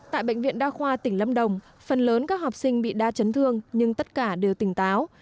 tại bệnh viện đa khoa tỉnh lâm đồng phần lớn các học sinh bị đa chấn thương nhưng tất cả đều tỉnh táo